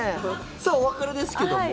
さあ、お別れですけども。